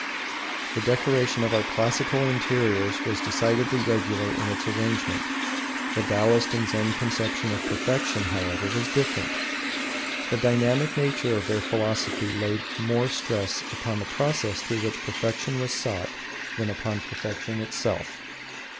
The decoration of our classical interiors was decidedly regular in its arrangement. The Taoist and Zen conception of perfection, however, was different. The dynamic nature of their philosophy laid more stress upon the process through which perfection was sought than upon perfection itself.